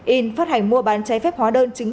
in phát hành mua bán cháy phép hóa đơn